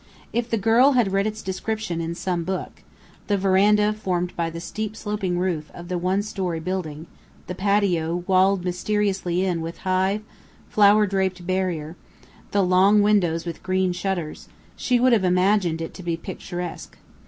If the girl had read its description in some book the veranda, formed by the steep sloping roof of the one story building; the patio, walled mysteriously in with a high, flower draped barrier; the long windows with green shutters she would have imagined it to be picturesque.